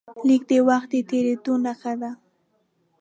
لیک د وخت د تېرېدو نښه ده.